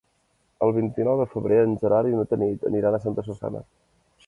El vint-i-nou de febrer en Gerard i na Tanit aniran a Santa Susanna.